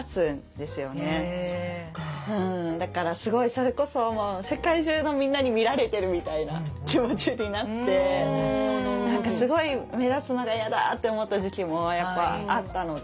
だからすごいそれこそもう世界中のみんなに見られてるみたいな気持ちになってすごい目立つのが嫌だって思った時期もやっぱあったので。